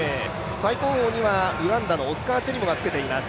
最高峰にはウガンダのオスカー・チェリモがつけています。